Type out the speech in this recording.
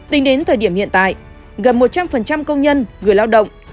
tính đến thời điểm hiện tại gần một trăm linh công nhân người lao động